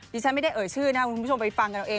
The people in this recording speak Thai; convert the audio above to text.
ฉันไม่ได้เอ่ยชื่อนะครับคุณผู้ชมไปฟังกันเอาเอง